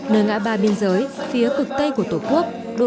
nơi ngã ba biên giới phía cực tây của tổ quốc